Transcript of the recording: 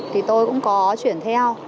thì tôi cũng có chuyển theo